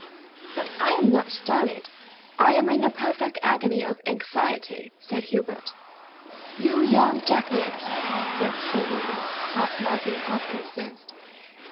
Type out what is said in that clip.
"But I am not stolid! I am in a perfect agony of anxiety," said Hubert. "You young jackanapes!" said Sir Norman, half laughing, half incensed.